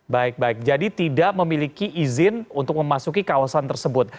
baik baik jadi tidak memiliki izin untuk memasuki kawasan tersebut